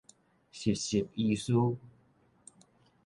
實習醫師